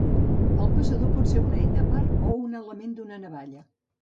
El passador pot ser una eina a part o un element d'una navalla.